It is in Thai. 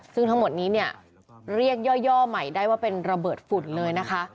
ซึ่งทั้งหมดนี้เนี่ยเรียกย่อใหม่ได้ว่าเป็นระเบิดฝุ่นเลยนะคะ